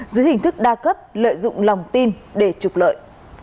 dưới hình thức đa cấp lợi dụng lòng tin để trục lợi